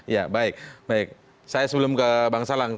ya baik baik saya sebelum ke bang salang